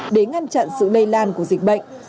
để ngăn chặn sự lây lan của dịch bệnh